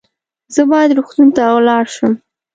زه باید روغتون ته ولاړ شم